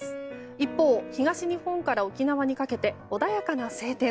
一方、東日本から沖縄にかけて穏やかな晴天。